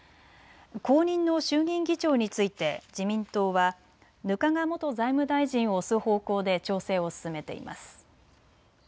後任の衆議院議長について自民党は額賀元財務大臣を推す方向で調整を進めています。